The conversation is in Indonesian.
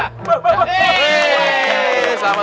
selamat pasya ayo pajar